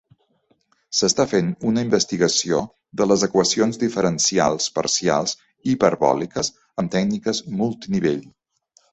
S'està fent una investigació de les equacions diferencials parcials hiperbòliques amb tècniques multinivell.